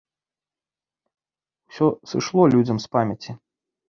Усё сышло людзям з памяці.